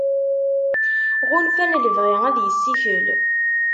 Ɣunfan lebɣi ad yessikel.